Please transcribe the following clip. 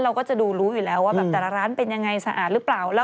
เราก็จะดูรู้อยู่แล้วว่าแบบแต่ละร้านเป็นยังไงสะอาดหรือเปล่า